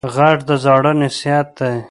غږ د زاړه نصیحت دی